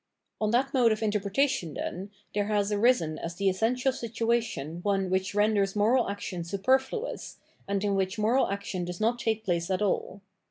On that mode of interpretation, then, there has arisen as the essential situation one which renders moral action superfluous and in which moral action does not take place at all.